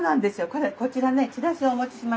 これこちらねチラシをお持ちしましたので。